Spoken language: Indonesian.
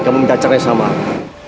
kamu minta caranya sama apa